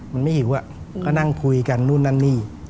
มันไม่หิวก็นั่งคุยกันนู่นนั่นนี่